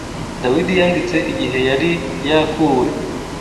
Dawidi yanditse igihe yari yakuwe